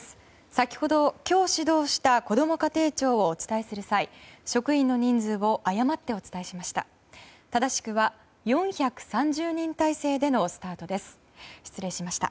先ほど、今日始動したこども家庭庁をお伝えする際、職員の人数を誤ってお伝えしました。